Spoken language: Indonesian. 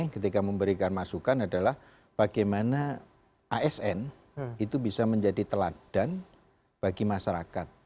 ketika memberikan masukan adalah bagaimana asn itu bisa menjadi teladan bagi masyarakat